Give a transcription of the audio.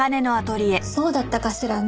そうだったかしらね。